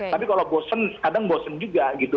tapi kalau bosen kadang bosen juga gitu